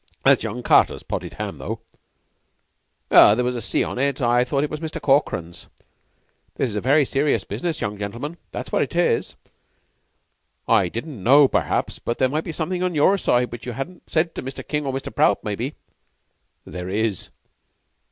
That's young Carter's potted ham, though." "There was a C on it. I thought it was Mr. Corkran's. This is a very serious business, young gentlemen. That's what it is. I didn't know, perhaps, but there might be something on your side which you hadn't said to Mr. King or Mr. Prout, maybe." "There is.